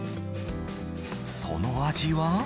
その味は。